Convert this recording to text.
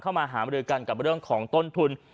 เข้ามาหามาเรื่องกันกับเรื่องของต้นทุน